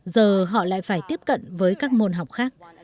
giờ họ lại phải tiếp cận với các môn học khác